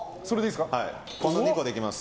この２個でいきます。